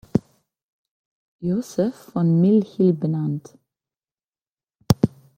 Joseph von Mill Hill" benannt.